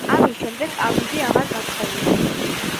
ამის შემდეგ აბიდე აღარ გათხოვილა.